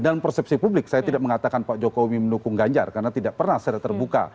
dalam persepsi publik saya tidak mengatakan pak jokowi mendukung ganjar karena tidak pernah secara terbuka